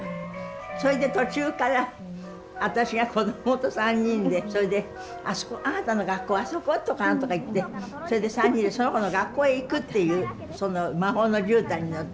それで途中から私がこどもと３人でそれで「あそこあなたの学校あそこ？」とか何とか言ってそれで３人でその子の学校へ行くっていうその魔法のじゅうたんに乗って。